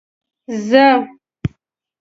زه.